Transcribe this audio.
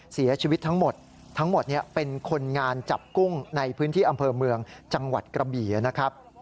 เสียชีวิตทั้งหมดทั้งหมดเป็นคนงานจับกุ้งในพื้นที่อำเภอเมืองจังหวัดกระบี่นะครับ